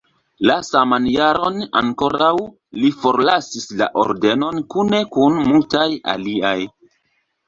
La saman jaron ankoraŭ li forlasis la ordenon kune kun multaj aliaj.